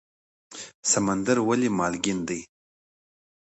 سمندر ولې مالګین دی؟